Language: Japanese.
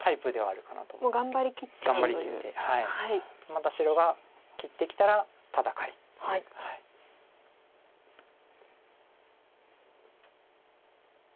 また白が切ってきたら戦いという。